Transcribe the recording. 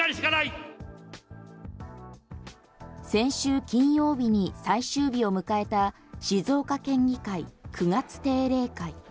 先週金曜日に最終日を迎えた静岡県議会９月定例会。